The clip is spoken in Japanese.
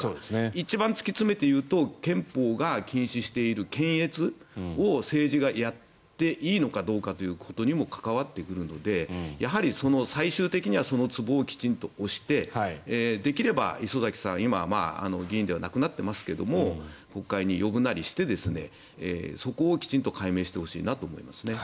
一番突き詰めていうと憲法が禁止している検閲を政治がやっていいのかどうかということにも関わってくるのでやはり最終的にはそのツボをきちんと押してできれば、礒崎さんは今、議員ではなくなってますけども国会に呼ぶなりしてそこをきちんと解明してほしいなと思いますね。